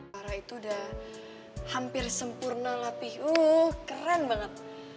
tante farah itu udah hampir sempurna lapih keren banget